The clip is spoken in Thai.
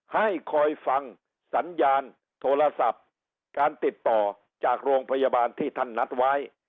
ให้คอยฟังสัญญาณโทรศัพท์การติดต่อจากโรงพยาบาลที่ท่านนัดไว้